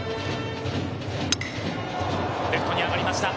レフトに上がりました。